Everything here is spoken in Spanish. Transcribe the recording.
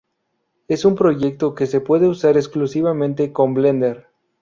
Es un proyecto que se puede usar exclusivamente con Blender.